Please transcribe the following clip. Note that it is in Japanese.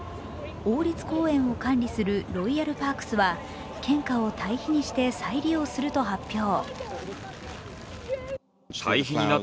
王立公園を管理するロイヤルパークスは献花をたい肥にして再利用すると発表。